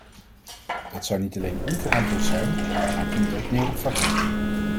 Dat zou niet alleen onverantwoord zijn, maar komt ook neer op verraad.